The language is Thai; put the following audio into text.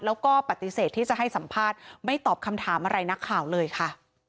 แล้วก็ปฏิเสธที่จะให้สัมภาษณ์ไม่ตอบคำถามอะไรนักข่าวเลยค่ะ